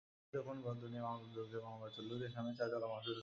নীলক্ষেতে দোকান বরাদ্দ নিয়ে মামলা দুদকে মামলা চললেও সেখানে চারতলা মার্কেট হচ্ছে।